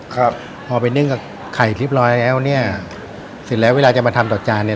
ครับพอไปนึ่งกับไข่เรียบร้อยแล้วเนี่ยเสร็จแล้วเวลาจะมาทำต่อจานเนี่ย